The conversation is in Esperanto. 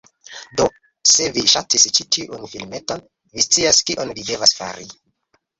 Do, se vi ŝatis ĉi tiun filmeton, vi scias kion vi devas fari.